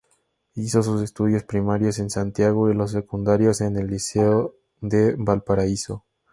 Hizo sus estudios primarios en Santiago y los secundarios en el Liceo de Valparaíso.